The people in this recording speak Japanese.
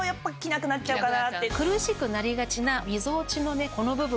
苦しくなりがちなみぞおちのこの部分。